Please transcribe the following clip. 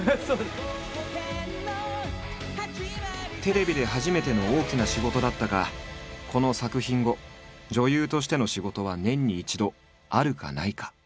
テレビで初めての大きな仕事だったがこの作品後女優としての仕事は年に一度あるかないか。